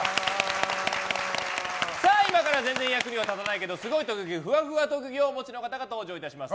今から全然役には立たないけどすごい特技ふわふわ特技をお持ちの方が登場いたします。